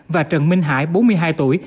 và trần minh hải bốn mươi hai tuổi